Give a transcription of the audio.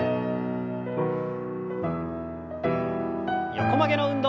横曲げの運動。